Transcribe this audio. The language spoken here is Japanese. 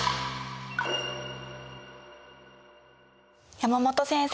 山本先生